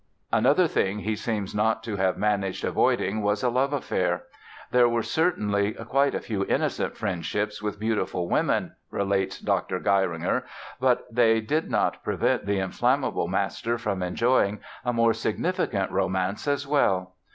Another thing he seems not to have managed avoiding was a love affair. "There were certainly quite a few innocent friendships with beautiful women", relates Dr. Geiringer, "but they did not prevent the inflammable master from enjoying a more significant romance as well".